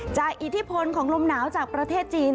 จากอิทธิภนธ์ของลมหนาวจากประเทศจีน